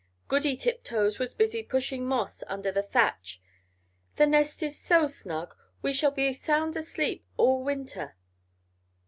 Goody Tiptoes was busy pushing moss under the thatch "The nest is so snug, we shall be sound asleep all winter."